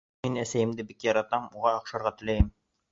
Мин әсәйемде бик яратам, уға оҡшарға теләйем.